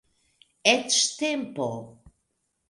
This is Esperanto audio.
Eĉ tempo.